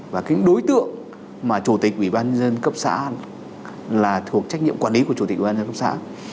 và cái đối tượng mà chủ tịch ủy ban nhân dân cấp xã là thuộc trách nhiệm quản lý của chủ tịch ủy ban nhân cấp xã